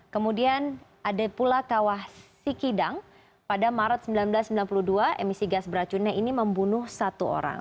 kemudian ada pula kawah sikidang pada maret seribu sembilan ratus sembilan puluh dua emisi gas beracunnya ini membunuh satu orang